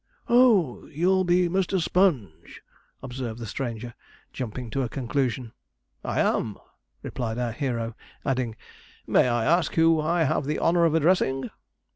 'Oh, you'll be Mr. Sponge?' observed the stranger, jumping to a conclusion. 'I am,' replied our hero; adding, 'may I ask who I have the honour of addressing?'